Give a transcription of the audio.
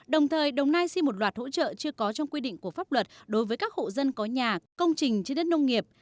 đồng thời đồng nai xin một loạt hỗ trợ chưa có trong quy định của pháp luật đối với các hộ dân có nhà công trình trên đất nông nghiệp